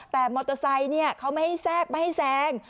แต่มอเตอร์ไซค์เขาไม่ให้แทรกไม่ให้แซง